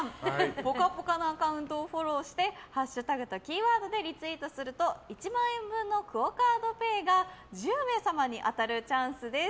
「ぽかぽか」のアカウントをフォローしてハッシュタグとキーワードでリツイートすると１万円分のＱＵＯカードＰａｙが１０名様に当たるチャンスです。